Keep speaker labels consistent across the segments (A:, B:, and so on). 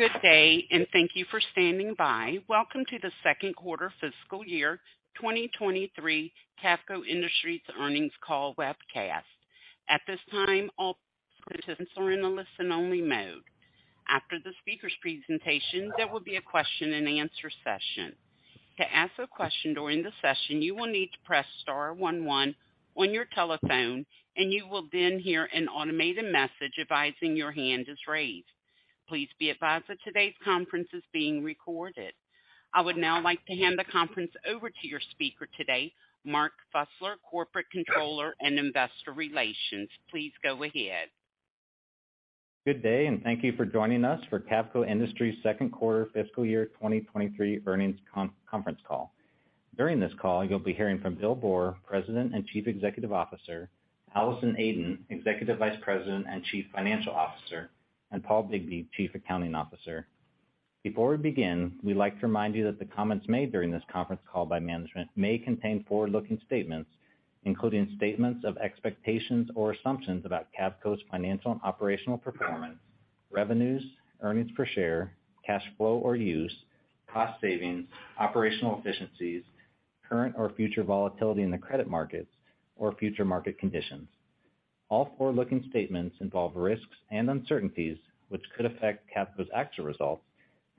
A: Good day, and thank you for standing by. Welcome to the Second Quarter Fiscal year 2023 Cavco Industries Earnings Call webcast. At this time, all participants are in a listen-only mode. After the speakers' presentation, there will be a question-and-answer session. To ask a question during the session, you will need to press star one one on your telephone, and you will then hear an automated message advising your hand is raised. Please be advised that today's conference is being recorded. I would now like to hand the conference over to your speaker today, Mark Fusler, Corporate Controller and Investor Relations. Please go ahead.
B: Good day, and thank you for joining us for Cavco Industries second quarter fiscal year 2023 earnings conference call. During this call, you'll be hearing from Bill Boor, President and Chief Executive Officer, Allison Aden, Executive Vice President and Chief Financial Officer, and Paul Bigbee, Chief Accounting Officer. Before we begin, we'd like to remind you that the comments made during this conference call by management may contain forward-looking statements, including statements of expectations or assumptions about Cavco's financial and operational performance, revenues, earnings per share, cash flow or use, cost savings, operational efficiencies, current or future volatility in the credit markets or future market conditions. All forward-looking statements involve risks and uncertainties which could affect Cavco's actual results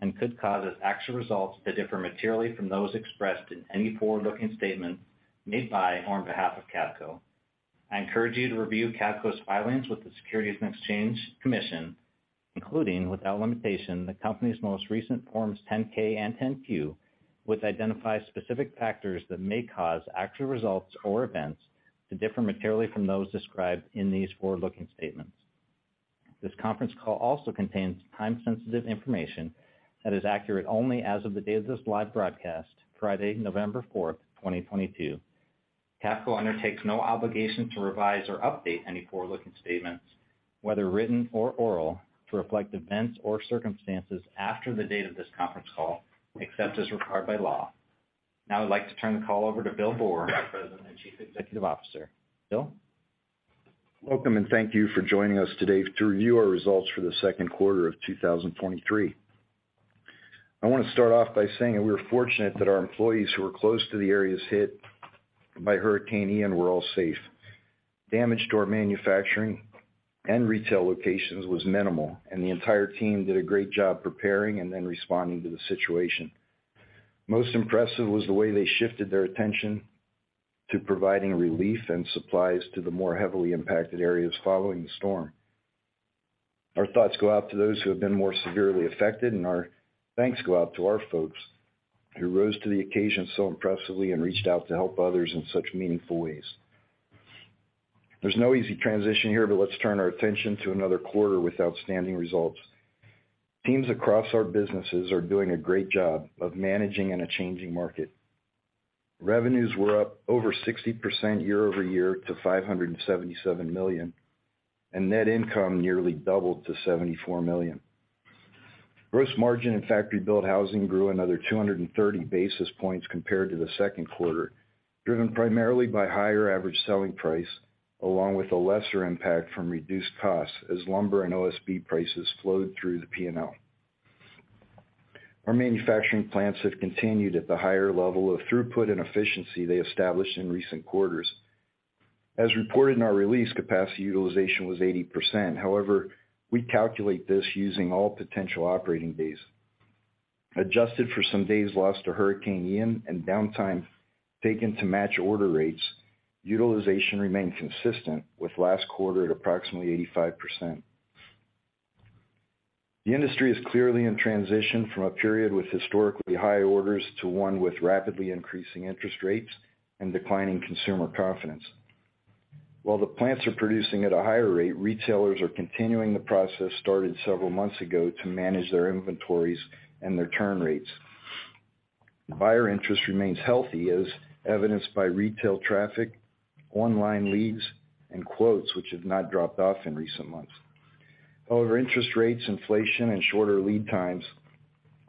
B: and could cause its actual results to differ materially from those expressed in any forward-looking statements made by or on behalf of Cavco. I encourage you to review Cavco's filings with the Securities and Exchange Commission, including, without limitation, the company's most recent Forms 10-K and 10-Q, which identify specific factors that may cause actual results or events to differ materially from those described in these forward-looking statements. This conference call also contains time-sensitive information that is accurate only as of the date of this live broadcast, Friday, November 4, 2022. Cavco undertakes no obligation to revise or update any forward-looking statements, whether written or oral, to reflect events or circumstances after the date of this conference call, except as required by law. Now I'd like to turn the call over to Bill Boor, our President and Chief Executive Officer. Bill?
C: Welcome, and thank you for joining us today to review our results for the second quarter of 2023. I want to start off by saying that we are fortunate that our employees who are close to the areas hit by Hurricane Ian were all safe. Damage to our manufacturing and retail locations was minimal, and the entire team did a great job preparing and then responding to the situation. Most impressive was the way they shifted their attention to providing relief and supplies to the more heavily impacted areas following the storm. Our thoughts go out to those who have been more severely affected, and our thanks go out to our folks who rose to the occasion so impressively and reached out to help others in such meaningful ways. There's no easy transition here, but let's turn our attention to another quarter with outstanding results. Teams across our businesses are doing a great job of managing in a changing market. Revenues were up over 60% year-over-year to $577 million, and net income nearly doubled to $74 million. Gross margin in factory-built housing grew another 230 basis points compared to the second quarter, driven primarily by higher average selling price, along with a lesser impact from reduced costs as lumber and OSB prices flowed through the P&L. Our manufacturing plants have continued at the higher level of throughput and efficiency they established in recent quarters. As reported in our release, capacity utilization was 80%. However, we calculate this using all potential operating days. Adjusted for some days lost to Hurricane Ian and downtime taken to match order rates, utilization remained consistent with last quarter at approximately 85%. The industry is clearly in transition from a period with historically high orders to one with rapidly increasing interest rates and declining consumer confidence. While the plants are producing at a higher rate, retailers are continuing the process started several months ago to manage their inventories and their turn rates. Buyer interest remains healthy, as evidenced by retail traffic, online leads, and quotes, which have not dropped off in recent months. However, interest rates, inflation, and shorter lead times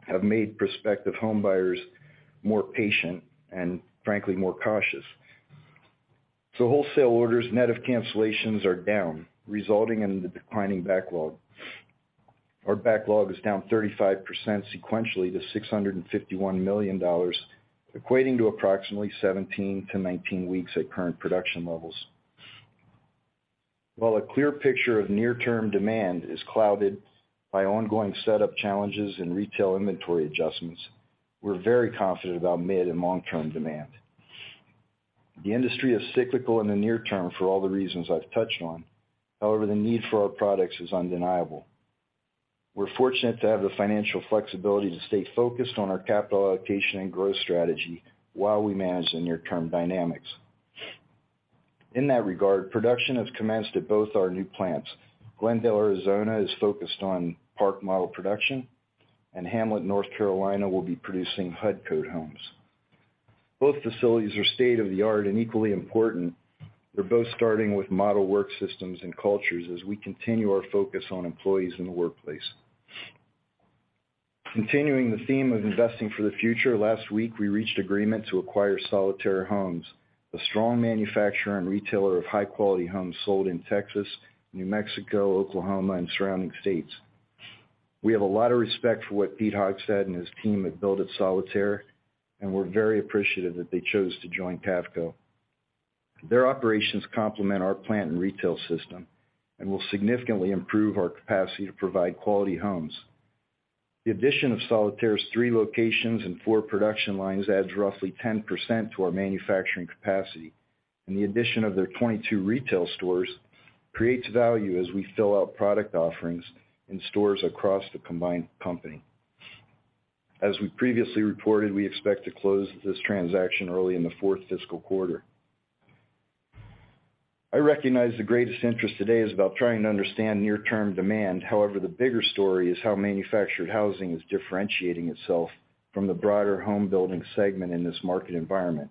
C: have made prospective home buyers more patient and, frankly, more cautious. Wholesale orders, net of cancellations, are down, resulting in the declining backlog. Our backlog is down 35% sequentially to $651 million, equating to approximately 17-19 weeks at current production levels. While a clear picture of near-term demand is clouded by ongoing setup challenges and retail inventory adjustments, we're very confident about mid and long-term demand. The industry is cyclical in the near term for all the reasons I've touched on. However, the need for our products is undeniable. We're fortunate to have the financial flexibility to stay focused on our capital allocation and growth strategy while we manage the near-term dynamics. In that regard, production has commenced at both our new plants. Glendale, Arizona is focused on Park Model production, and Hamlet, North Carolina, will be producing HUD-code homes. Both facilities are state-of-the-art and equally important. They're both starting with model work systems and cultures as we continue our focus on employees in the workplace. Continuing the theme of investing for the future, last week we reached agreement to acquire Solitaire Homes, a strong manufacturer and retailer of high-quality homes sold in Texas, New Mexico, Oklahoma, and surrounding states. We have a lot of respect for what Pete Hogstad and his team have built at Solitaire, and we're very appreciative that they chose to join Cavco. Their operations complement our plant and retail system and will significantly improve our capacity to provide quality homes. The addition of Solitaire's three locations and four production lines adds roughly 10% to our manufacturing capacity, and the addition of their 22 retail stores creates value as we fill out product offerings in stores across the combined company. As we previously reported, we expect to close this transaction early in the fourth fiscal quarter. I recognize the greatest interest today is about trying to understand near-term demand. However, the bigger story is how manufactured housing is differentiating itself from the broader home building segment in this market environment.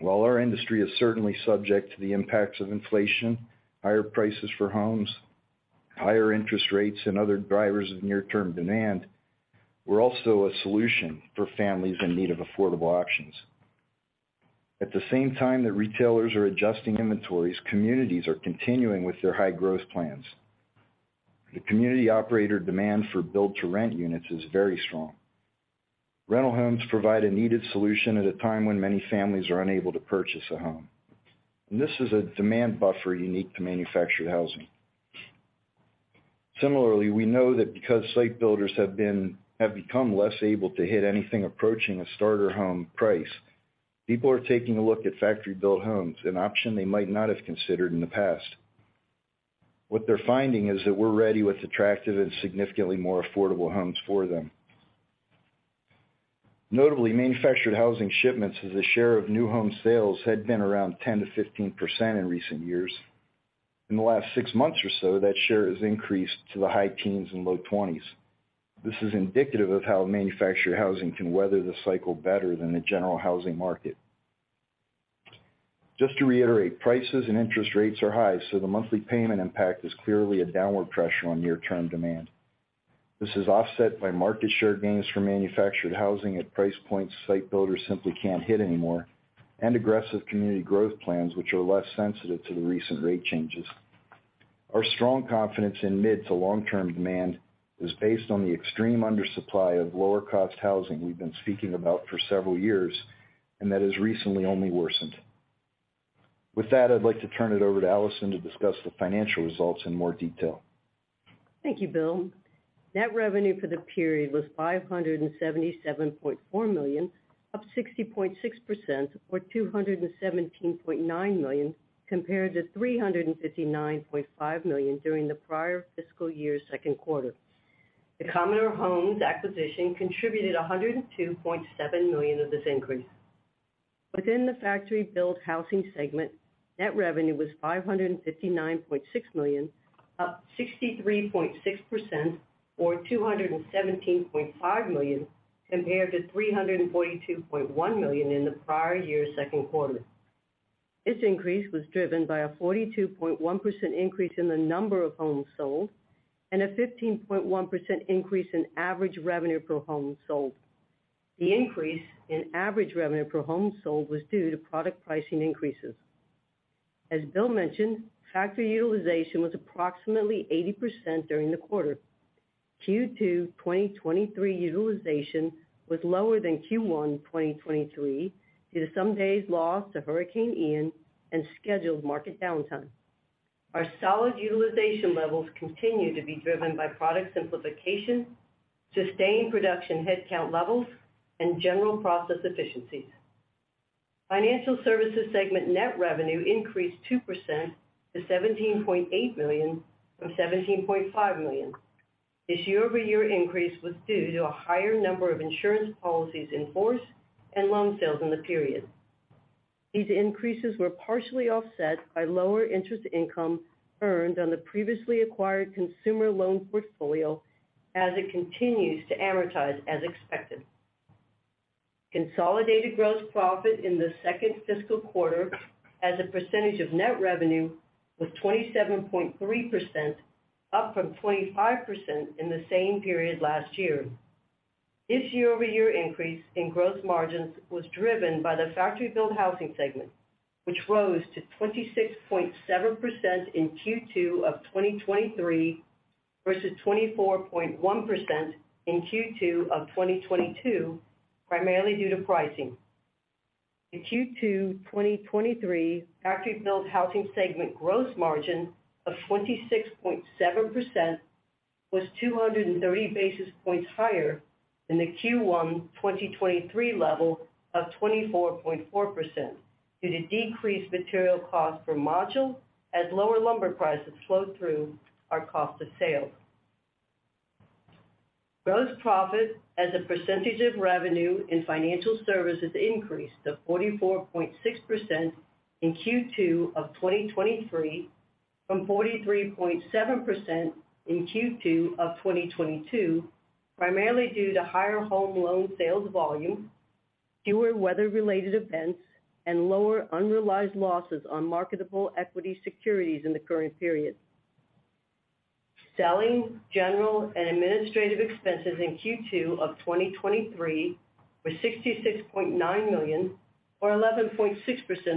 C: While our industry is certainly subject to the impacts of inflation, higher prices for homes, higher interest rates, and other drivers of near-term demand, we're also a solution for families in need of affordable options. At the same time that retailers are adjusting inventories, communities are continuing with their high-growth plans. The community operator demand for Build-to-Rent units is very strong. Rental homes provide a needed solution at a time when many families are unable to purchase a home, and this is a demand buffer unique to manufactured housing. Similarly, we know that because site builders have become less able to hit anything approaching a starter home price, people are taking a look at factory-built homes, an option they might not have considered in the past. What they're finding is that we're ready with attractive and significantly more affordable homes for them. Notably, manufactured housing shipments as a share of new home sales had been around 10%-15% in recent years. In the last six months or so, that share has increased to the high teens and low twenties. This is indicative of how manufactured housing can weather the cycle better than the general housing market. Just to reiterate, prices and interest rates are high, so the monthly payment impact is clearly a downward pressure on near-term demand. This is offset by market share gains for manufactured housing at price points site builders simply can't hit anymore and aggressive community growth plans which are less sensitive to the recent rate changes. Our strong confidence in mid to long-term demand is based on the extreme undersupply of lower-cost housing we've been speaking about for several years, and that has recently only worsened. With that, I'd like to turn it over to Allison to discuss the financial results in more detail.
D: Thank you, Bill. Net revenue for the period was $577.4 million, up 60.6%, or $217.9 million, compared to $359.5 million during the prior fiscal year's second quarter. The Commodore Homes acquisition contributed $102.7 million of this increase. Within the factory-built housing segment, net revenue was $559.6 million, up 63.6%, or $217.5 million, compared to $342.1 million in the prior year's second quarter. This increase was driven by a 42.1% increase in the number of homes sold and a 15.1% increase in average revenue per home sold. The increase in average revenue per home sold was due to product pricing increases. As Bill mentioned, factory utilization was approximately 80% during the quarter. Q2 2023 utilization was lower than Q1 2023 due to some days lost to Hurricane Ian and scheduled market downtime. Our solid utilization levels continue to be driven by product simplification, sustained production headcount levels, and general process efficiencies. Financial services segment net revenue increased 2% to $17.8 million from $17.5 million. This year-over-year increase was due to a higher number of insurance policies in force and loan sales in the period. These increases were partially offset by lower interest income earned on the previously acquired consumer loan portfolio as it continues to amortize as expected. Consolidated gross profit in the second fiscal quarter as a percentage of net revenue was 27.3%, up from 25% in the same period last year. This year-over-year increase in gross margins was driven by the factory-built housing segment, which rose to 26.7% in Q2 of 2023 versus 24.1% in Q2 of 2022, primarily due to pricing. The Q2 2023 factory-built housing segment gross margin of 26.7% was 230 basis points higher than the Q1 2023 level of 24.4% due to decreased material cost per module as lower lumber prices flowed through our cost of sale. Gross profit as a percentage of revenue in financial services increased to 44.6% in Q2 of 2023 from 43.7% in Q2 of 2022, primarily due to higher home loan sales volume. Fewer weather-related events and lower unrealized losses on marketable equity securities in the current period. Selling, general, and administrative expenses in Q2 of 2023 were $66.9 million, or 11.6%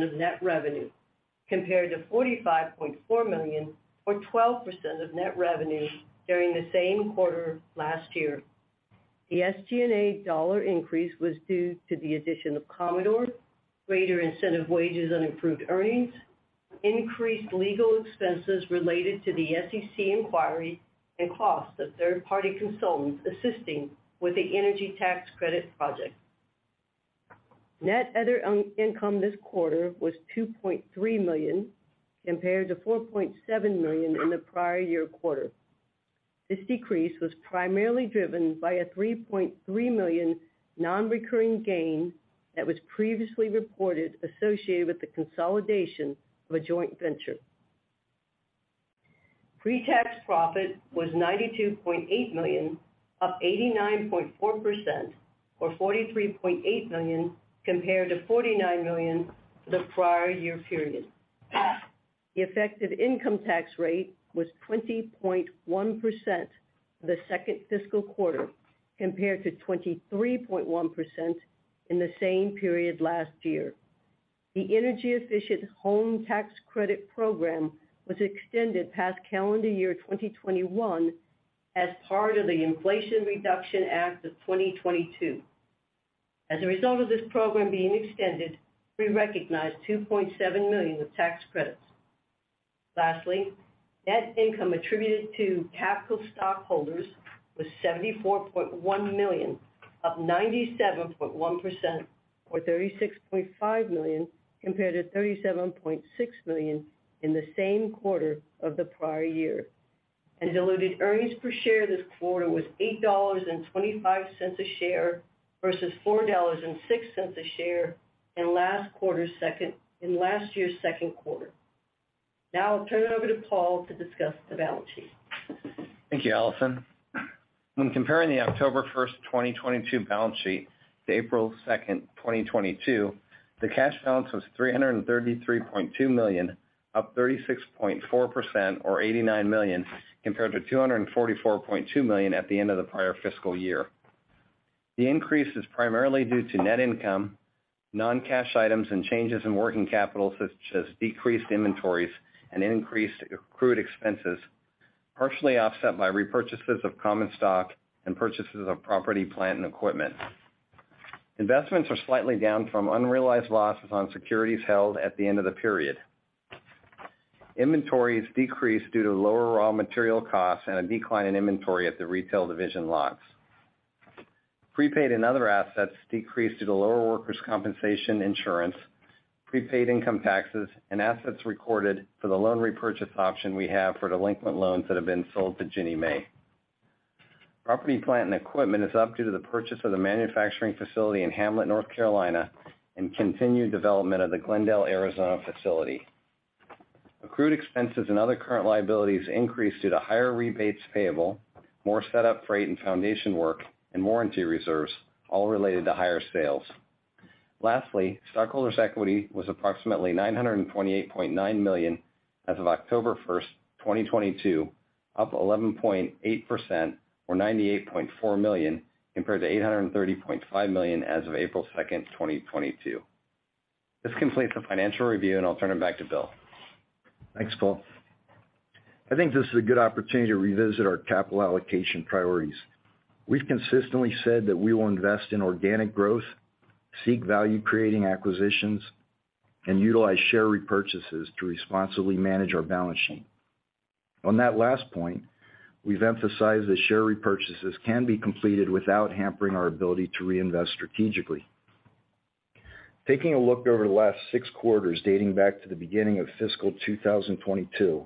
D: of net revenue, compared to $45.4 million, or 12% of net revenue during the same quarter last year. The SG&A dollar increase was due to the addition of Commodore, greater incentive wages on improved earnings, increased legal expenses related to the SEC inquiry, and costs of third-party consultants assisting with the energy tax credit project. Net other income this quarter was $2.3 million compared to $4.7 million in the prior year quarter. This decrease was primarily driven by a $3.3 million non-recurring gain that was previously reported associated with the consolidation of a joint venture. Pre-tax profit was $92.8 million, up 89.4%, or $43.8 million compared to $49 million the prior year period. The effective income tax rate was 20.1% for the second fiscal quarter, compared to 23.1% in the same period last year. The Energy Efficient Home Improvement Credit program was extended past calendar year 2021 as part of the Inflation Reduction Act of 2022. As a result of this program being extended, we recognized $2.7 million of tax credits. Lastly, net income attributed to Cavco stockholders was $74.1 million, up 97.1%, or $36.5 million compared to $37.6 million in the same quarter of the prior year. Diluted earnings per share this quarter was $8.25 a share versus $4.06 a share in last year's second quarter. Now I'll turn it over to Paul to discuss the balance sheet.
E: Thank you, Allison. When comparing the October 1, 2022 balance sheet to April 2, 2022, the cash balance was $333.2 million, up 36.4% or $89 million compared to $244.2 million at the end of the prior fiscal year. The increase is primarily due to net income, non-cash items, and changes in working capital, such as decreased inventories and increased accrued expenses, partially offset by repurchases of common stock and purchases of property, plant, and equipment. Investments are slightly down due to unrealized losses on securities held at the end of the period. Inventories decreased due to lower raw material costs and a decline in inventory at the retail division lots. Prepaid and other assets decreased due to lower workers' compensation insurance, prepaid income taxes, and assets recorded for the loan repurchase option we have for delinquent loans that have been sold to Ginnie Mae. Property, plant, and equipment is up due to the purchase of the manufacturing facility in Hamlet, North Carolina, and continued development of the Glendale, Arizona facility. Accrued expenses and other current liabilities increased due to higher rebates payable, more setup freight and foundation work and warranty reserves, all related to higher sales. Lastly, stockholders' equity was approximately $928.9 million as of October 1, 2022, up 11.8% or $98.4 million compared to $830.5 million as of April 2, 2022. This completes the financial review, and I'll turn it back to Bill.
C: Thanks, Paul. I think this is a good opportunity to revisit our capital allocation priorities. We've consistently said that we will invest in organic growth, seek value creating acquisitions, and utilize share repurchases to responsibly manage our balance sheet. On that last point, we've emphasized that share repurchases can be completed without hampering our ability to reinvest strategically. Taking a look over the last six quarters dating back to the beginning of fiscal 2022,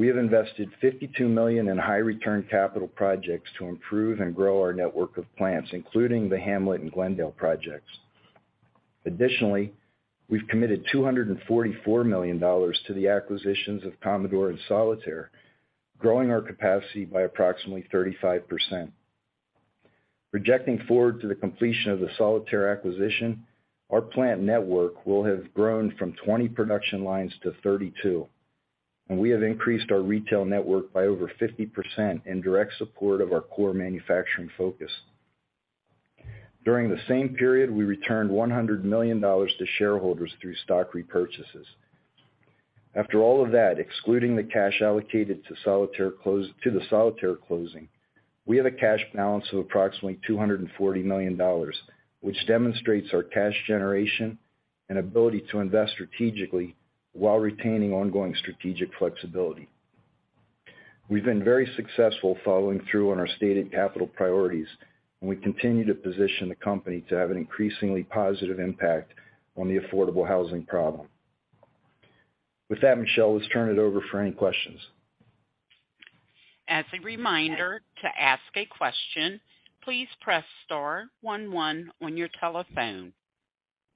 C: we have invested $52 million in high return capital projects to improve and grow our network of plants, including the Hamlet and Glendale projects. Additionally, we've committed $244 million to the acquisitions of Commodore and Solitaire, growing our capacity by approximately 35%. Projecting forward to the completion of the Solitaire acquisition, our plant network will have grown from 20 production lines to 32, and we have increased our retail network by over 50% in direct support of our core manufacturing focus. During the same period, we returned $100 million to shareholders through stock repurchases. After all of that, excluding the cash allocated to the Solitaire closing, we have a cash balance of approximately $240 million, which demonstrates our cash generation and ability to invest strategically while retaining ongoing strategic flexibility. We've been very successful following through on our stated capital priorities, and we continue to position the company to have an increasingly positive impact on the affordable housing problem. With that, Michelle, let's turn it over for any questions.
A: As a reminder, to ask a question, please press star one one on your telephone.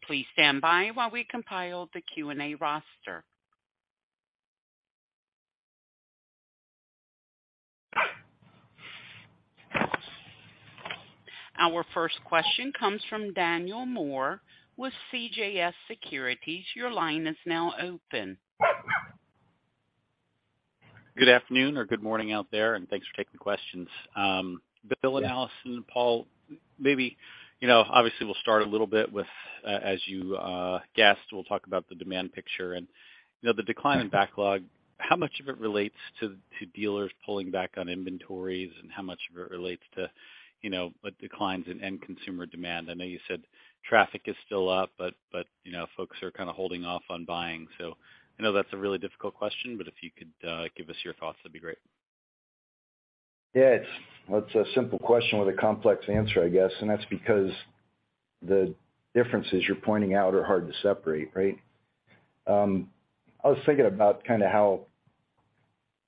A: Please stand by while we compile the Q&A roster. Our first question comes from Daniel Moore with CJS Securities. Your line is now open.
F: Good afternoon or good morning out there, and thanks for taking the questions. Bill and Allison and Paul, maybe, you know, obviously, we'll start a little bit with, as you guessed, we'll talk about the demand picture and, you know, the decline in backlog, how much of it relates to dealers pulling back on inventories and how much of it relates to, you know, declines in end consumer demand? I know you said traffic is still up, but, you know, folks are kind of holding off on buying. I know that's a really difficult question, but if you could give us your thoughts, that'd be great.
C: Yeah, it's a simple question with a complex answer, I guess. That's because the differences you're pointing out are hard to separate, right? I was thinking about kind of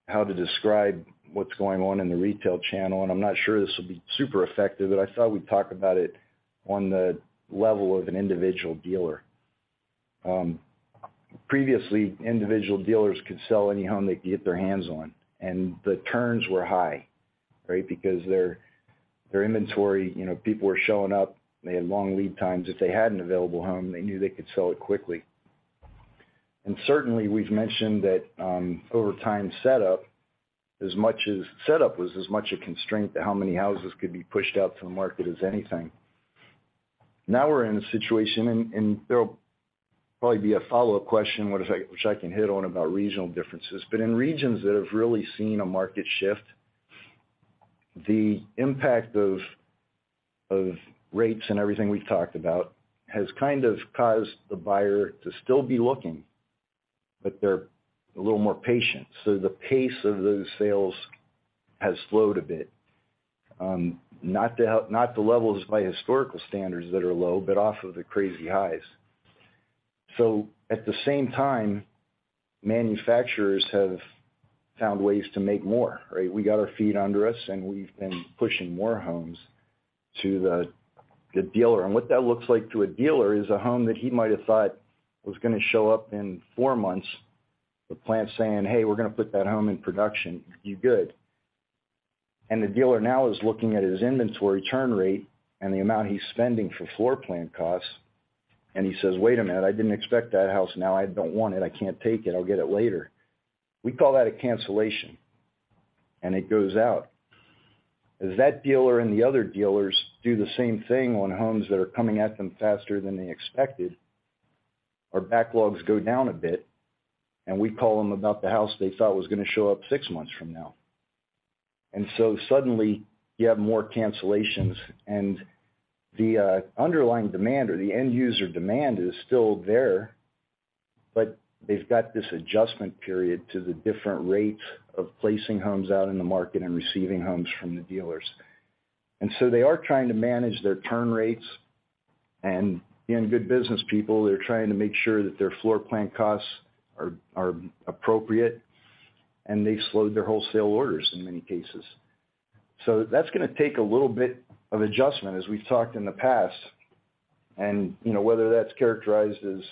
C: how to describe what's going on in the retail channel, and I'm not sure this will be super effective, but I thought we'd talk about it on the level of an individual dealer. Previously, individual dealers could sell any home they could get their hands on, and the turns were high, right? Because their inventory, you know, people were showing up, they had long lead times. If they had an available home, they knew they could sell it quickly. Certainly, we've mentioned that over time, setup was as much a constraint to how many houses could be pushed out to the market as anything. We're in a situation. There'll probably be a follow-up question, which I can hit on about regional differences. In regions that have really seen a market shift, the impact of rates and everything we've talked about has kind of caused the buyer to still be looking, but they're a little more patient. The pace of those sales has slowed a bit. Not the levels by historical standards that are low, but off of the crazy highs. At the same time, manufacturers have found ways to make more, right? We got our feet under us, and we've been pushing more homes to the dealer. What that looks like to a dealer is a home that he might have thought was gonna show up in four months, the plant saying, "Hey, we're gonna put that home in production." You good. The dealer now is looking at his inventory turn rate and the amount he's spending for floor plan costs, and he says, "Wait a minute. I didn't expect that house. Now I don't want it. I can't take it. I'll get it later." We call that a cancellation, and it goes out. As that dealer and the other dealers do the same thing on homes that are coming at them faster than they expected, our backlogs go down a bit, and we call them about the house they thought was gonna show up six months from now. Suddenly, you have more cancellations and the underlying demand or the end user demand is still there, but they've got this adjustment period to the different rates of placing homes out in the market and receiving homes from the dealers. They are trying to manage their turn rates, and being good business people, they're trying to make sure that their floor plan costs are appropriate, and they slowed their wholesale orders in many cases. That's gonna take a little bit of adjustment, as we've talked in the past. You know, whether that's characterized as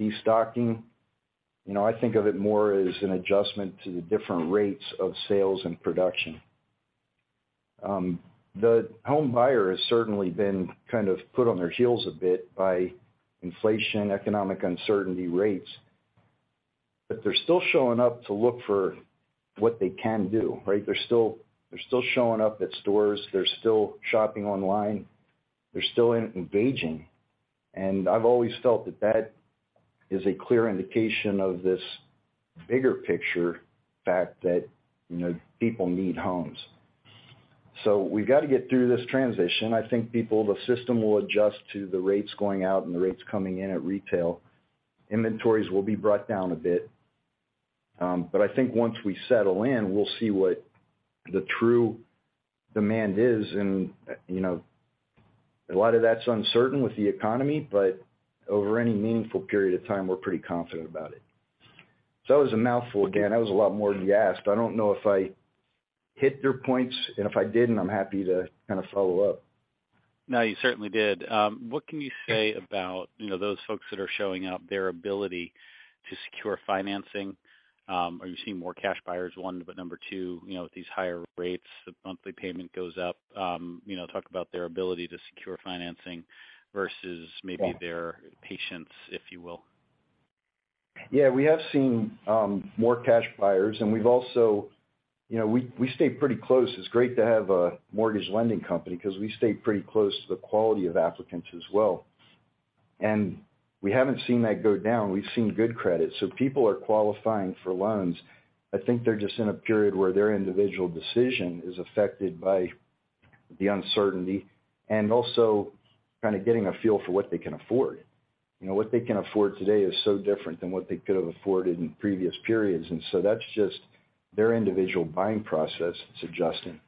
C: destocking, you know, I think of it more as an adjustment to the different rates of sales and production. The home buyer has certainly been kind of put on their heels a bit by inflation, economic uncertainty, rates, but they're still showing up to look for what they can do, right? They're still showing up at stores. They're still shopping online. They're still engaging. I've always felt that is a clear indication of this bigger picture fact that, you know, people need homes. We've got to get through this transition. I think people, the system will adjust to the rates going out and the rates coming in at retail. Inventories will be brought down a bit. I think once we settle in, we'll see what the true demand is. You know, a lot of that's uncertain with the economy, but over any meaningful period of time, we're pretty confident about it. That was a mouthful. Again, that was a lot more than you asked. I don't know if I hit your points, and if I didn't, I'm happy to kind of follow up.
F: No, you certainly did. What can you say about, you know, those folks that are showing up, their ability to secure financing? Are you seeing more cash buyers, one? Number two, you know, with these higher rates, the monthly payment goes up. You know, talk about their ability to secure financing versus maybe their patience, if you will.
C: Yeah, we have seen more cash buyers. You know, we stay pretty close. It's great to have a mortgage lending company 'cause we stay pretty close to the quality of applicants as well. We haven't seen that go down. We've seen good credit, so people are qualifying for loans. I think they're just in a period where their individual decision is affected by the uncertainty and also kind of getting a feel for what they can afford. You know, what they can afford today is so different than what they could have afforded in previous periods. That's just their individual buying process suggesting.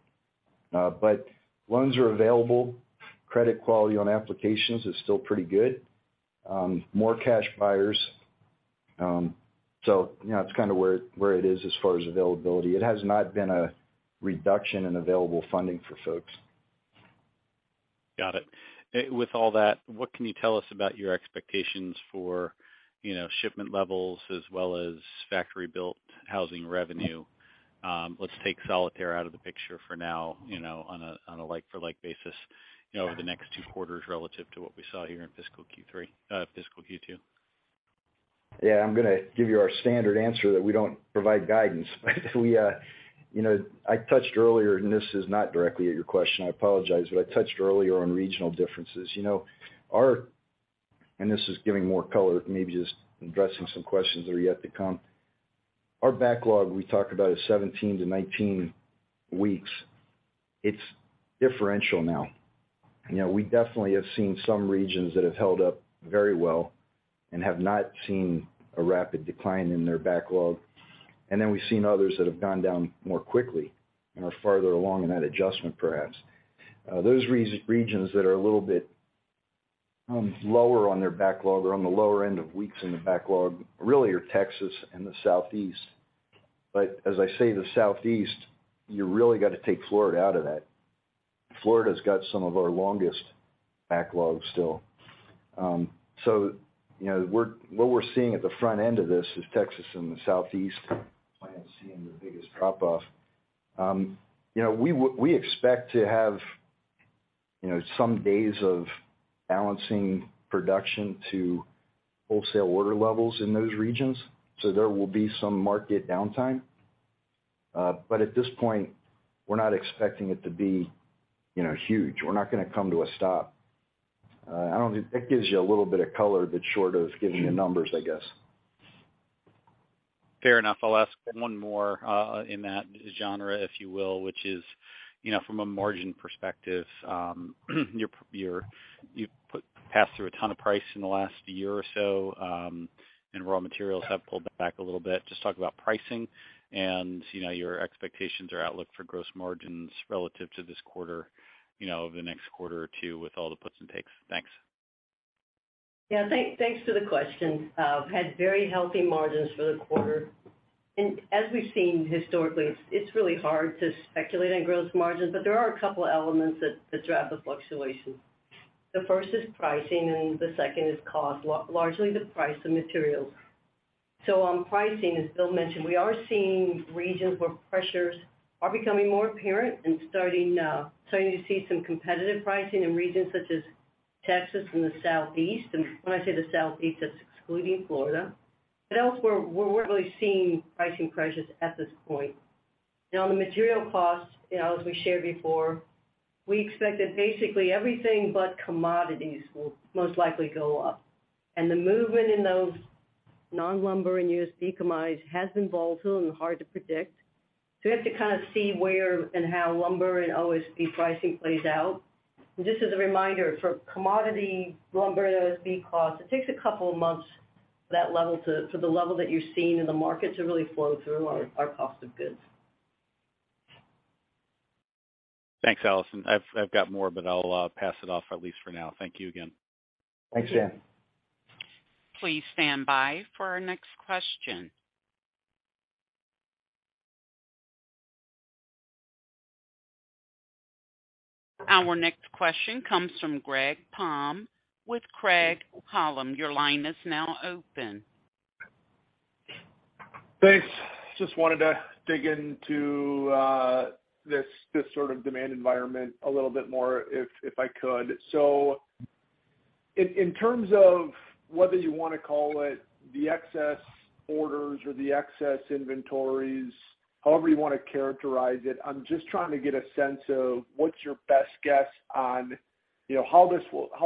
C: Loans are available. Credit quality on applications is still pretty good. More cash buyers. You know, that's kind of where it is as far as availability. It has not been a reduction in available funding for folks.
F: Got it. With all that, what can you tell us about your expectations for, you know, shipment levels as well as factory-built housing revenue? Let's take Solitaire out of the picture for now, you know, on a like-for-like basis, you know, over the next two quarters relative to what we saw here in fiscal Q2.
C: Yeah, I'm gonna give you our standard answer that we don't provide guidance. We, you know, I touched earlier, and this is not directly at your question, I apologize, but I touched earlier on regional differences. You know, this is giving more color, maybe just addressing some questions that are yet to come. Our backlog we talked about is 17 to 19 weeks. It's differential now. You know, we definitely have seen some regions that have held up very well and have not seen a rapid decline in their backlog. Then we've seen others that have gone down more quickly and are farther along in that adjustment, perhaps. Those regions that are a little bit lower on their backlog or on the lower end of weeks in the backlog really are Texas and the Southeast. As I say, the Southeast, you really got to take Florida out of that. Florida's got some of our longest backlogs still. So, you know, what we're seeing at the front end of this is Texas and the Southeast plants seeing the biggest drop off. You know, we expect to have, you know, some days of balancing production to wholesale order levels in those regions, so there will be some market downtime. But at this point, we're not expecting it to be, you know, huge. We're not gonna come to a stop. I don't think. That gives you a little bit of color, but short of giving the numbers, I guess.
F: Fair enough. I'll ask one more in that genre, if you will, which is, you know, from a margin perspective, you passed through a ton of price in the last year or so, and raw materials have pulled back a little bit. Just talk about pricing and, you know, your expectations or outlook for gross margins relative to this quarter, you know, over the next quarter or two with all the puts and takes. Thanks.
D: Yeah. Thanks for the question. Had very healthy margins for the quarter. As we've seen historically, it's really hard to speculate on gross margins, but there are a couple elements that drive the fluctuation. The first is pricing, and the second is cost, largely the price of materials. On pricing, as Bill mentioned, we are seeing regions where pressures are becoming more apparent and starting to see some competitive pricing in regions such as Texas and the Southeast. When I say the Southeast, that's excluding Florida. Elsewhere, we're really seeing pricing pressures at this point. Now on the material costs, you know, as we shared before, we expect that basically everything but commodities will most likely go up. The movement in those non-lumber and OSB commodities has been volatile and hard to predict. We have to kind of see where and how lumber and OSB pricing plays out. Just as a reminder, for commodity lumber and OSB costs, it takes a couple of months for that level to the level that you're seeing in the market to really flow through our cost of goods.
F: Thanks, Allison. I've got more, but I'll pass it off, at least for now. Thank you again.
C: Thanks, Dan.
A: Please stand by for our next question. Our next question comes from Greg Palm with Craig-Hallum. Your line is now open.
G: Thanks. Just wanted to dig into this sort of demand environment a little bit more if I could. In terms of whether you wanna call it the excess orders or the excess inventories, however you wanna characterize it, I'm just trying to get a sense of what's your best guess on, you know, how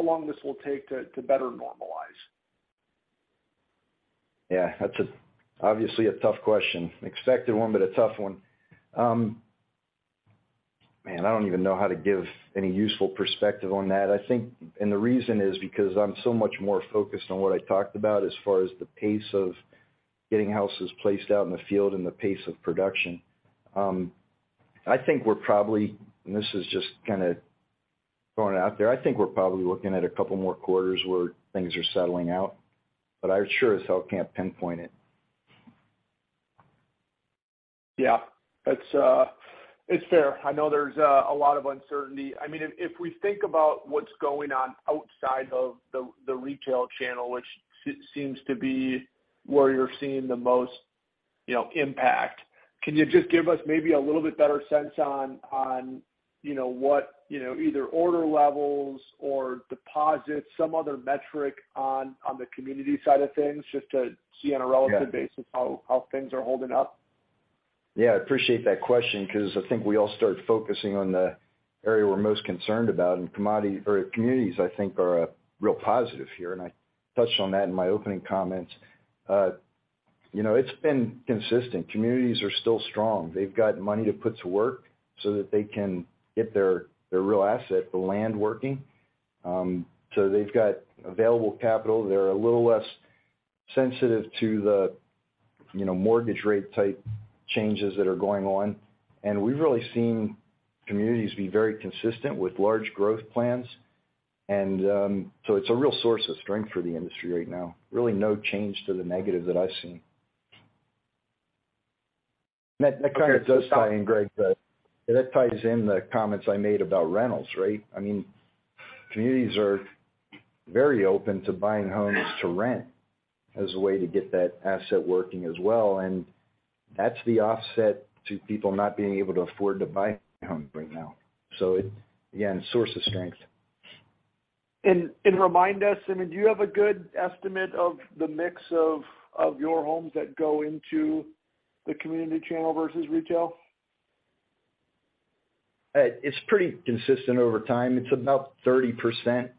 G: long this will take to better normalize.
C: Yeah, that's, obviously, a tough question. Expected one, but a tough one. Man, I don't even know how to give any useful perspective on that. I think, and the reason is because I'm so much more focused on what I talked about as far as the pace of getting houses placed out in the field and the pace of production. I think we're probably, and this is just kinda throwing it out there, I think we're probably looking at a couple more quarters where things are settling out, but I sure as hell can't pinpoint it.
G: Yeah. That's, it's fair. I know there's a lot of uncertainty. I mean, if we think about what's going on outside of the retail channel, which seems to be where you're seeing the most, you know, impact, can you just give us maybe a little bit better sense on, you know, what, you know, either order levels or deposits, some other metric on the community side of things, just to see on a relative-
C: Yeah.
G: -basis how things are holding up?
C: Yeah, I appreciate that question because I think we all start focusing on the area we're most concerned about, and communities, I think, are a real positive here, and I touched on that in my opening comments. You know, it's been consistent. Communities are still strong. They've got money to put to work so that they can get their real asset, the land working. They've got available capital. They're a little less sensitive to the, you know, mortgage rate type changes that are going on. And we've really seen communities be very consistent with large growth plans. So it's a real source of strength for the industry right now. Really no change to the negative that I've seen. That kind of does tie in, Greg. That ties in the comments I made about rentals, right? I mean, communities are very open to buying homes to rent as a way to get that asset working as well, and that's the offset to people not being able to afford to buy a home right now. It, again, source of strength.
G: Remind us, I mean, do you have a good estimate of the mix of your homes that go into the community channel versus retail?
C: It's pretty consistent over time. It's about 30%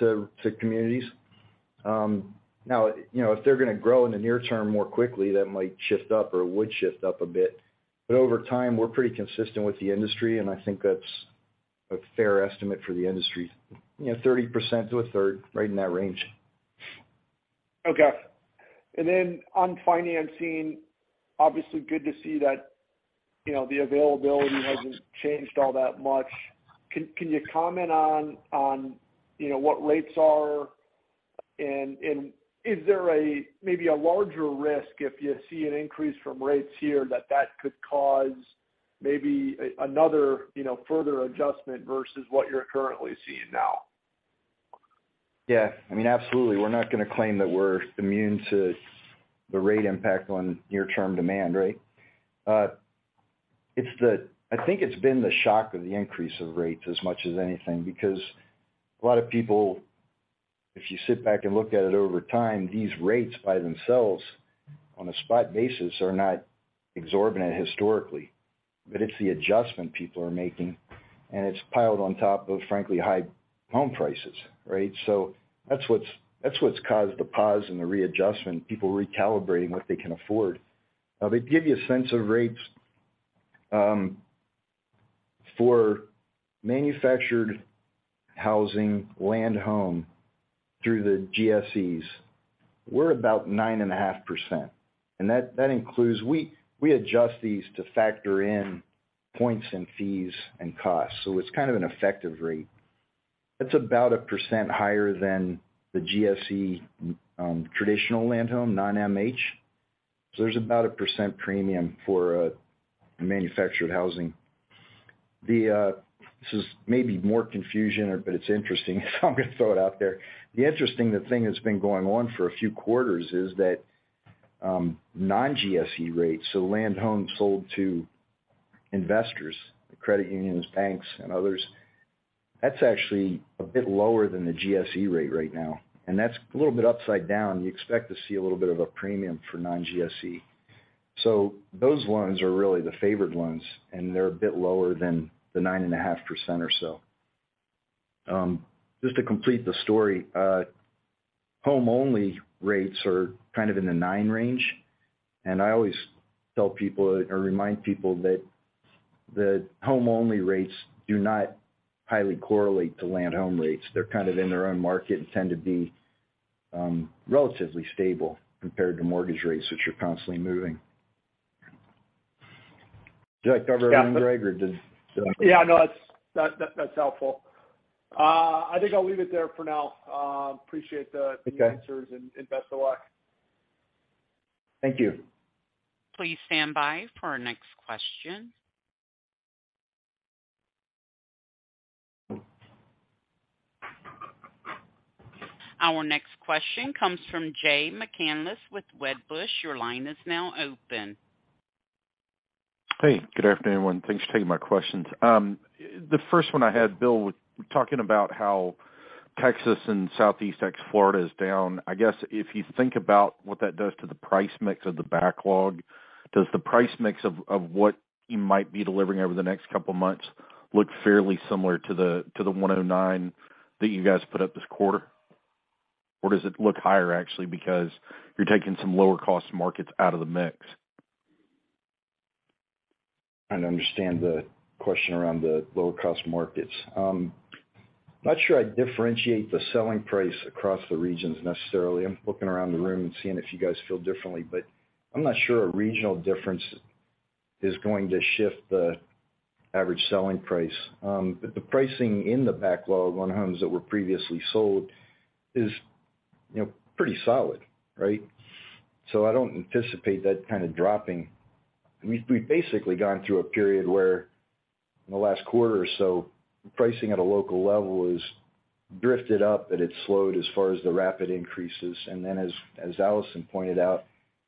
C: to communities. Now, you know, if they're gonna grow in the near term more quickly, that might shift up or would shift up a bit. Over time, we're pretty consistent with the industry, and I think that's a fair estimate for the industry. You know, 30% to a third, right in that range.
G: Okay. On financing, obviously good to see that, you know, the availability hasn't changed all that much. Can you comment on, you know, what rates are and is there a maybe a larger risk if you see an increase from rates here that could cause maybe another, you know, further adjustment versus what you're currently seeing now?
C: Yeah. I mean, absolutely. We're not gonna claim that we're immune to the rate impact on near term demand, right? I think it's been the shock of the increase of rates as much as anything because a lot of people, if you sit back and look at it over time, these rates by themselves on a spot basis are not exorbitant historically. It's the adjustment people are making, and it's piled on top of, frankly, high home prices, right? That's what's caused the pause and the readjustment, people recalibrating what they can afford. Now to give you a sense of rates, for manufactured housing, land home through the GSEs, we're about 9.5%. That includes. We adjust these to factor in points and fees and costs, so it's kind of an effective rate. That's about 1% higher than the GSE traditional land home non-MH. There's about 1% premium for manufactured housing. This is maybe more confusion, but it's interesting, so I'm gonna throw it out there. The interesting thing that's been going on for a few quarters is that non-GSE rates, so land homes sold to investors, credit unions, banks and others, that's actually a bit lower than the GSE rate right now, and that's a little bit upside down. You expect to see a little bit of a premium for non-GSE. Those loans are really the favored ones, and they're a bit lower than the 9.5% or so. Just to complete the story, home only rates are kind of in the 9% range, and I always tell people or remind people that the home only rates do not highly correlate to land home rates. They're kind of in their own market and tend to be relatively stable compared to mortgage rates, which are constantly moving. Did I cover everything, Greg, or did-
G: Yeah, no, that's helpful. I think I'll leave it there for now. Appreciate the answers.
C: Okay.
G: best of luck.
C: Thank you.
A: Please stand by for our next question. Our next question comes from Jay McCanless with Wedbush. Your line is now open.
H: Hey, good afternoon, everyone. Thanks for taking my questions. The first one I had, Bill, with talking about how Texas and Southeast ex Florida is down. I guess if you think about what that does to the price mix of the backlog, does the price mix of what you might be delivering over the next couple of months look fairly similar to the 109 that you guys put up this quarter? Or does it look higher actually because you're taking some lower cost markets out of the mix?
C: Trying to understand the question around the lower cost markets. Not sure I'd differentiate the selling price across the regions necessarily. I'm looking around the room and seeing if you guys feel differently, but I'm not sure a regional difference is going to shift the average selling price. The pricing in the backlog on homes that were previously sold is, you know, pretty solid, right? I don't anticipate that kind of dropping. We've basically gone through a period where in the last quarter or so, pricing at a local level has drifted up, but it's slowed as far as the rapid increases. As Allison pointed out,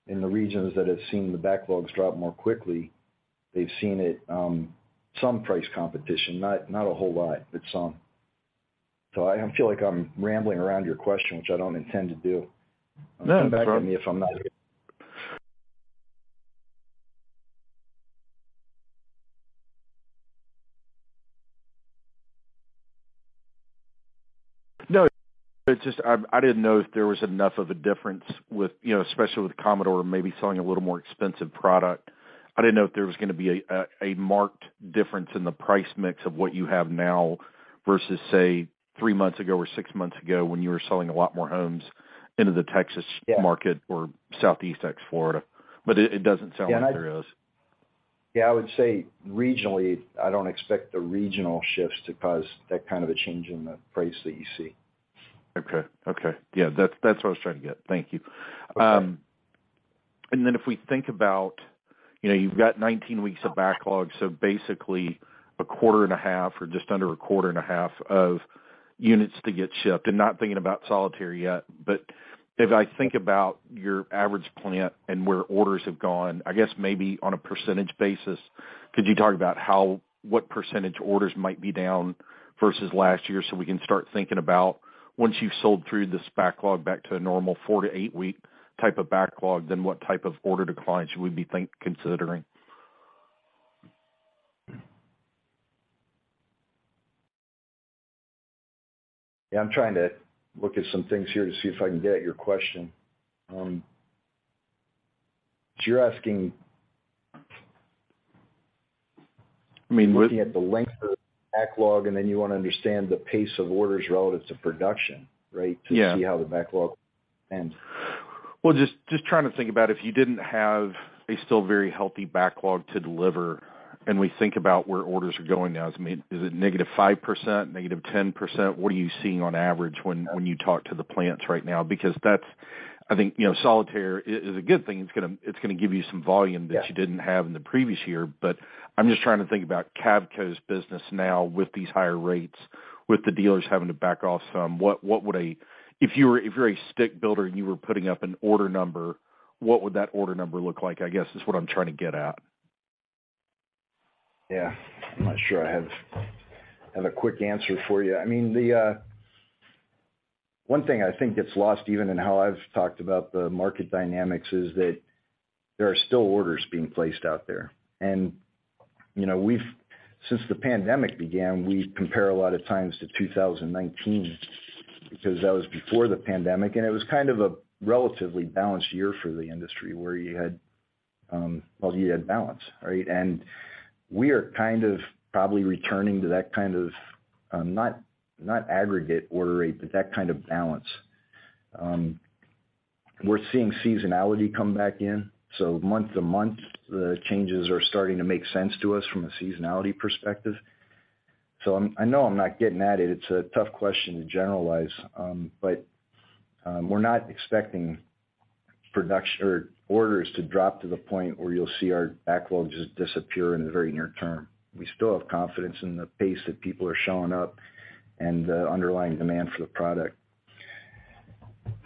C: in the regions that have seen the backlogs drop more quickly, they've seen it, some price competition, not a whole lot, but some. I feel like I'm rambling around your question, which I don't intend to do.
H: No, that's all right.
C: Come back to me if I'm not.
H: No, it's just I didn't know if there was enough of a difference with, you know, especially with Commodore maybe selling a little more expensive product. I didn't know if there was gonna be a marked difference in the price mix of what you have now versus, say, three months ago or six months ago when you were selling a lot more homes into the Texas-
C: Yeah.
H: Market or Southeast ex Florida. But it doesn't sound like there is.
C: Yeah, I would say regionally, I don't expect the regional shifts to cause that kind of a change in the price that you see.
H: Okay. Yeah, that's what I was trying to get. Thank you. Then if we think about, you know, you've got 19 weeks of backlog, so basically a quarter and a half or just under a quarter and a half of units to get shipped. Not thinking about Solitaire yet, but if I think about your average plant and where orders have gone, I guess maybe on a percentage basis, could you talk about what percentage orders might be down versus last year, so we can start thinking about once you've sold through this backlog back to a normal four to eight week type of backlog, then what type of order decline should we be considering?
C: Yeah, I'm trying to look at some things here to see if I can get at your question. You're asking.
H: I mean.
C: Looking at the length of backlog, and then you wanna understand the pace of orders relative to production, right?
H: Yeah.
C: To see how the backlog ends.
H: Well, just trying to think about if you didn't have a still very healthy backlog to deliver, and we think about where orders are going now, I mean, is it negative 5%, negative 10%? What are you seeing on average when you talk to the plants right now? Because that's, I think, you know, Solitaire is a good thing. It's gonna give you some volume.
C: Yeah
H: that you didn't have in the previous year. I'm just trying to think about Cavco's business now with these higher rates, with the dealers having to back off some. If you're a stick builder and you were putting up an order number, what would that order number look like, I guess, is what I'm trying to get at.
C: Yeah. I'm not sure I have a quick answer for you. I mean, the one thing I think gets lost, even in how I've talked about the market dynamics, is that there are still orders being placed out there. You know, since the pandemic began, we compare a lot of times to 2019 because that was before the pandemic, and it was kind of a relatively balanced year for the industry where you had balance, right? We are kind of probably returning to that kind of not aggregate order rate, but that kind of balance. We're seeing seasonality come back in. Month to month, the changes are starting to make sense to us from a seasonality perspective. I know I'm not getting at it. It's a tough question to generalize. We're not expecting production or orders to drop to the point where you'll see our backlog just disappear in the very near term. We still have confidence in the pace that people are showing up and the underlying demand for the product.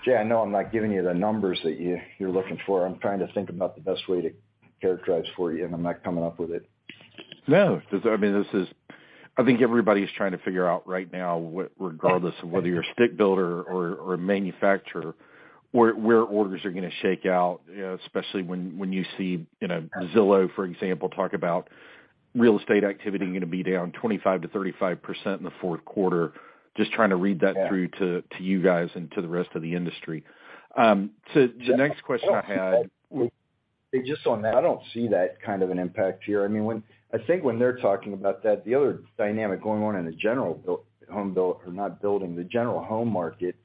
C: Jay, I know I'm not giving you the numbers that you're looking for. I'm trying to think about the best way to characterize for you, and I'm not coming up with it.
H: No. 'Cause I mean, this is. I think everybody's trying to figure out right now what, regardless of whether you're a stick builder or a manufacturer, where orders are gonna shake out, especially when you see, you know, Zillow, for example, talk about real estate activity gonna be down 25%-35% in the fourth quarter. Just trying to read that through to you guys and to the rest of the industry. The next question I had.
C: Just on that, I don't see that kind of an impact here. I mean, I think when they're talking about that, the other dynamic going on in the general home market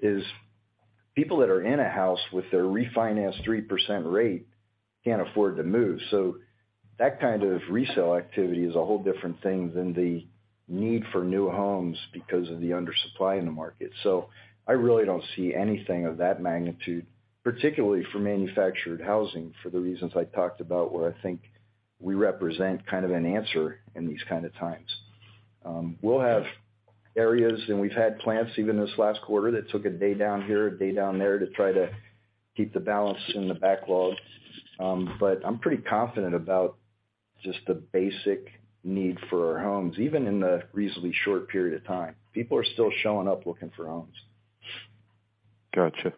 C: is people that are in a house with their refinanced 3% rate can't afford to move. That kind of resale activity is a whole different thing than the need for new homes because of the undersupply in the market. I really don't see anything of that magnitude, particularly for manufactured housing for the reasons I talked about, where I think we represent kind of an answer in these kind of times. We'll have areas, and we've had plants even this last quarter that took a day down here, a day down there to try to keep the balance in the backlog. I'm pretty confident about just the basic need for our homes, even in the reasonably short period of time. People are still showing up looking for homes.
H: Gotcha.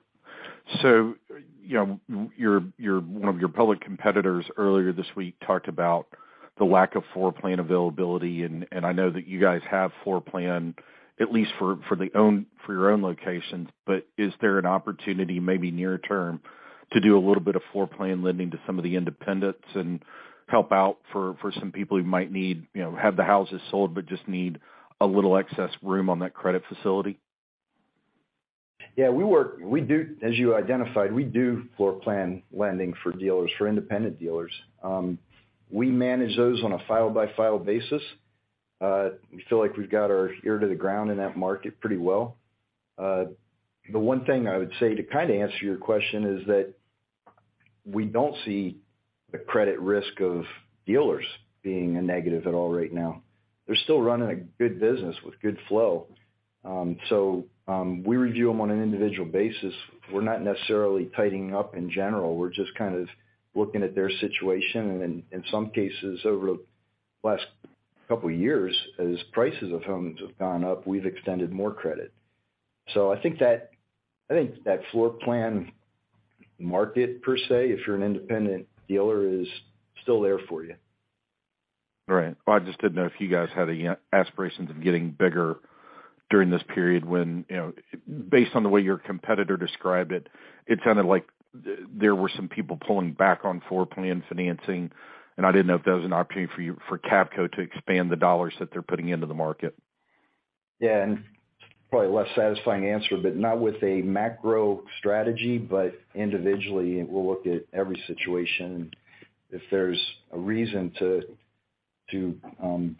H: You know, one of your public competitors earlier this week talked about the lack of floorplan availability, and I know that you guys have floorplan at least for your own locations. Is there an opportunity maybe near term to do a little bit of floorplan lending to some of the independents and help out for some people who might need, you know, have the houses sold but just need a little excess room on that credit facility?
C: Yeah. We do, as you identified, we do floorplan lending for dealers, for independent dealers. We manage those on a file-by-file basis. We feel like we've got our ear to the ground in that market pretty well. The one thing I would say to kind of answer your question is that we don't see the credit risk of dealers being a negative at all right now. They're still running a good business with good flow. We review them on an individual basis. We're not necessarily tightening up in general. We're just kind of looking at their situation, and in some cases, over the last couple of years, as prices of homes have gone up, we've extended more credit. I think that floorplan market per se, if you're an independent dealer, is still there for you.
H: Right. Well, I just didn't know if you guys had any aspirations of getting bigger during this period when, you know, based on the way your competitor described it sounded like there were some people pulling back on floorplan financing, and I didn't know if that was an opportunity for you, for Cavco to expand the dollars that they're putting into the market.
C: Yeah. Probably a less satisfying answer, but not with a macro strategy. Individually, we'll look at every situation, and if there's a reason to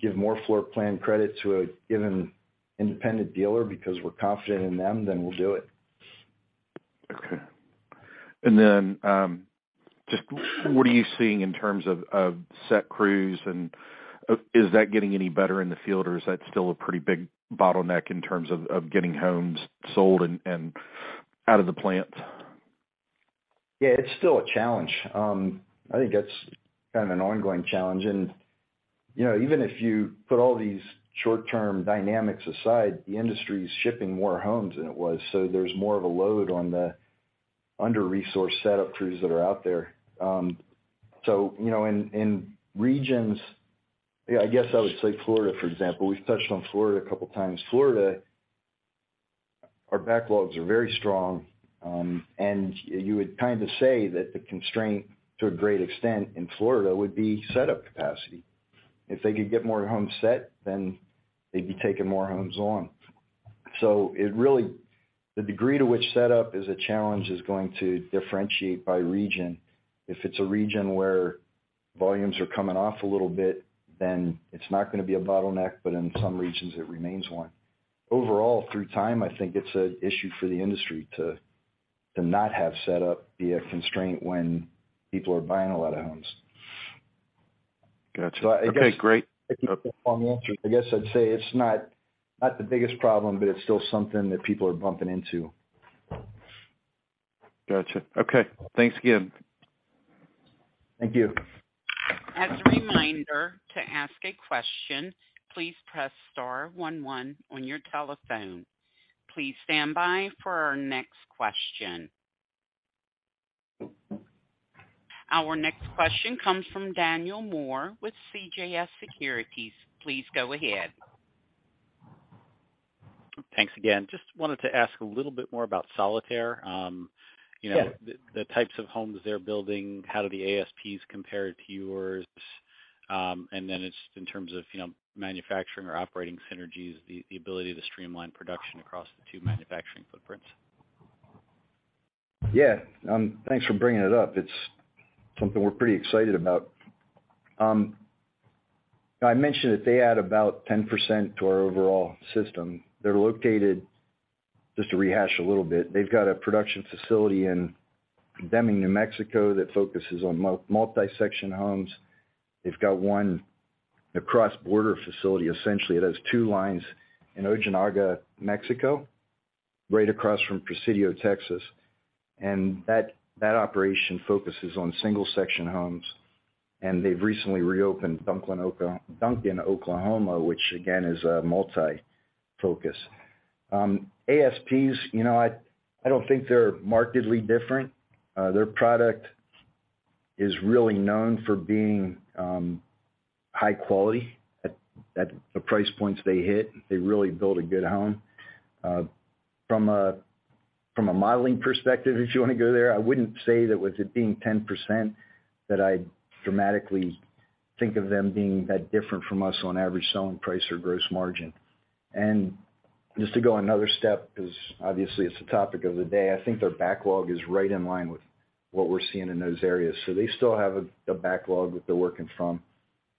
C: give more floor plan credit to a given independent dealer because we're confident in them, then we'll do it.
H: Okay. Just what are you seeing in terms of set crews? Is that getting any better in the field, or is that still a pretty big bottleneck in terms of getting homes sold and out of the plant?
C: Yeah, it's still a challenge. I think that's kind of an ongoing challenge. You know, even if you put all these short-term dynamics aside, the industry is shipping more homes than it was, so there's more of a load on the under-resourced setup crews that are out there. You know, in regions. Yeah, I guess I would say Florida, for example. We've touched on Florida a couple times. Florida, our backlogs are very strong, and you would kind of say that the constraint to a great extent in Florida would be setup capacity. If they could get more homes set, then they'd be taking more homes on. The degree to which setup is a challenge is going to differentiate by region. If it's a region where volumes are coming off a little bit, then it's not gonna be a bottleneck, but in some regions it remains one. Overall, through time, I think it's an issue for the industry to not have setup be a constraint when people are buying a lot of homes.
H: Gotcha. Okay, great.
C: I guess if you want more, I guess I'd say it's not the biggest problem, but it's still something that people are bumping into.
H: Gotcha. Okay. Thanks again.
C: Thank you.
A: As a reminder, to ask a question, please press star one one on your telephone. Please stand by for our next question. Our next question comes from Daniel Moore with CJS Securities. Please go ahead.
F: Thanks again. Just wanted to ask a little bit more about Solitaire.
C: Yes.
F: You know, the types of homes they're building, how do the ASPs compare to yours? It's in terms of, you know, manufacturing or operating synergies, the ability to streamline production across the two manufacturing footprints.
C: Yeah. Thanks for bringing it up. It's something we're pretty excited about. I mentioned that they add about 10% to our overall system. They're located. Just to rehash a little bit, they've got a production facility in Deming, New Mexico, that focuses on multi-section homes. They've got one cross-border facility, essentially, that has two lines in Ojinaga, Mexico, right across from Presidio, Texas. That operation focuses on single-section homes, and they've recently reopened Duncan, Oklahoma, which again, is a multi-section focus. ASPs, you know, I don't think they're markedly different. Their product is really known for being high quality at the price points they hit. They really build a good home. From a modeling perspective, if you wanna go there, I wouldn't say that with it being 10% that I dramatically think of them being that different from us on average selling price or gross margin. Just to go another step, 'cause obviously it's the topic of the day, I think their backlog is right in line with what we're seeing in those areas. They still have a backlog that they're working from,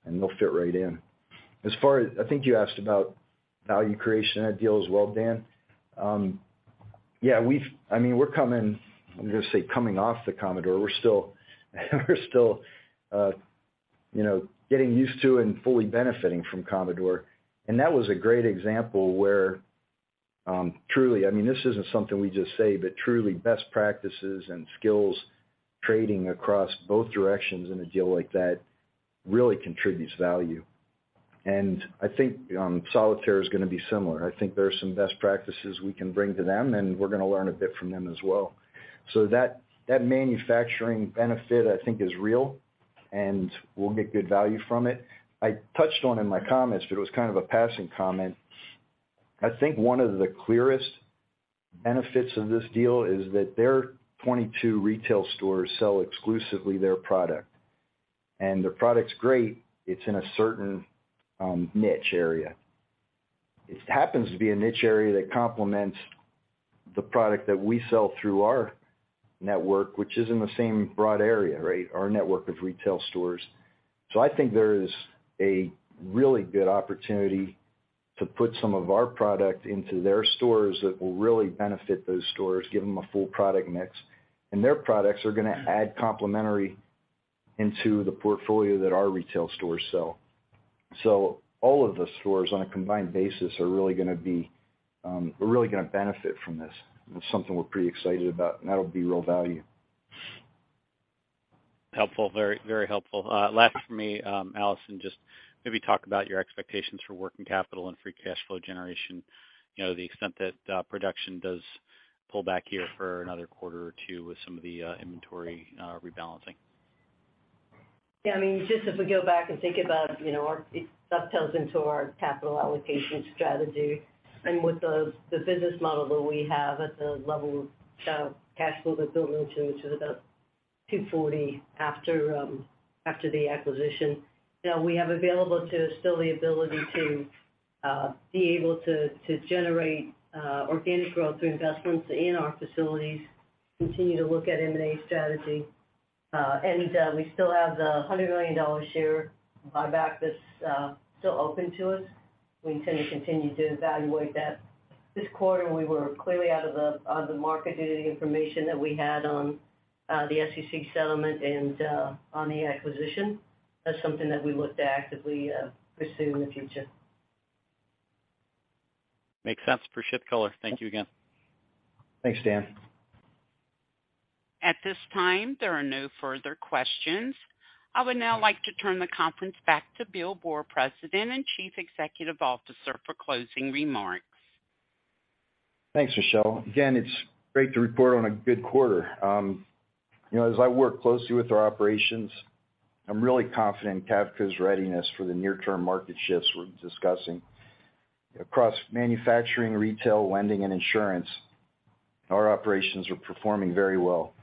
C: and they'll fit right in. I think you asked about value creation in that deal as well, Dan. Yeah, I mean, we're coming, I'm gonna say coming off the Commodore. We're still you know, getting used to and fully benefiting from Commodore. That was a great example where, truly, I mean, this isn't something we just say, but truly best practices and skills trading across both directions in a deal like that really contributes value. I think Solitaire is gonna be similar. I think there are some best practices we can bring to them, and we're gonna learn a bit from them as well. That manufacturing benefit I think is real, and we'll get good value from it. I touched on in my comments, but it was kind of a passing comment. I think one of the clearest benefits of this deal is that their 22 retail stores sell exclusively their product. Their product's great, it's in a certain niche area. It happens to be a niche area that complements the product that we sell through our network, which is in the same broad area, right? Our network of retail stores. I think there is a really good opportunity to put some of our product into their stores that will really benefit those stores, give them a full product mix. Their products are gonna add complement into the portfolio that our retail stores sell. All of the stores on a combined basis are really gonna benefit from this. It's something we're pretty excited about, and that'll be real value.
F: Helpful. Very, very helpful. Last from me, Allison, just maybe talk about your expectations for working capital and free cash flow generation, you know, the extent that production does pull back here for another quarter or two with some of the inventory rebalancing.
D: Yeah, I mean, just if we go back and think about, you know, our. It dovetails into our capital allocation strategy and with the business model that we have at the level of cash flow that Bill mentioned, which is about $240 million after the acquisition. Now we have available to us still the ability to be able to generate organic growth through investments in our facilities, continue to look at M&A strategy, and we still have the $100 million share buyback that's still open to us. We intend to continue to evaluate that. This quarter, we were clearly out of the market due to the information that we had on the SEC settlement and on the acquisition. That's something that we look to actively pursue in the future.
F: Makes sense. Appreciate the color. Thank you again.
C: Thanks, Dan.
A: At this time, there are no further questions. I would now like to turn the conference back to Bill Boor, President and Chief Executive Officer for closing remarks.
C: Thanks, Michelle. Again, it's great to report on a good quarter. You know, as I work closely with our operations, I'm really confident in Cavco's readiness for the near term market shifts we're discussing. Across manufacturing, retail, lending and insurance, our operations are performing very well.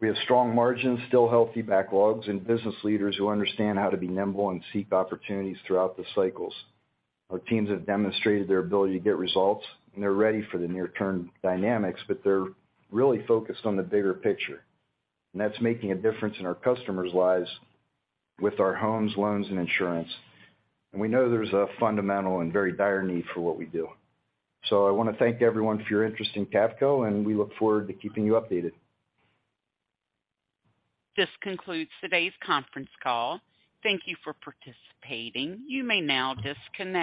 C: We have strong margins, still healthy backlogs, and business leaders who understand how to be nimble and seek opportunities throughout the cycles. Our teams have demonstrated their ability to get results, and they're ready for the near-term dynamics, but they're really focused on the bigger picture. That's making a difference in our customers' lives with our homes, loans and insurance. We know there's a fundamental and very dire need for what we do. I wanna thank everyone for your interest in Cavco, and we look forward to keeping you updated.
A: This concludes today's conference call. Thank you for participating. You may now disconnect.